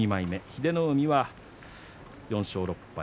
英乃海は４勝６敗